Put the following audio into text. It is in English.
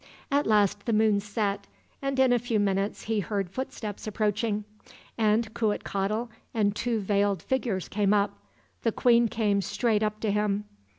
At last the moon set, and in a few minutes he heard footsteps approaching, and Cuitcatl and two veiled figures came up. The queen came straight up to him.